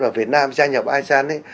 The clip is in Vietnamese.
mà việt nam gia nhập asean